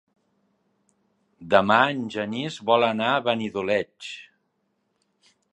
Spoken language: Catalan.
Demà en Genís vol anar a Benidoleig.